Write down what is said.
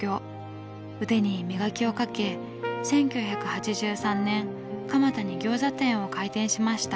腕に磨きをかけ１９８３年蒲田に餃子店を開店しました。